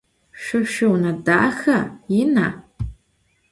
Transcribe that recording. Şso şsuiune daxa, yina?